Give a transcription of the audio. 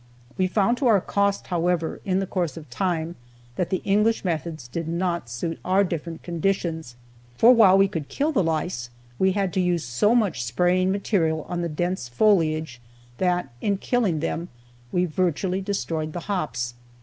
We found to our cost, however, in the course of time, that the English methods did not suit our different conditions; for while we could kill the lice, we had to use so much spraying material on the dense foliage that, in killing them, we virtually destroyed the hops.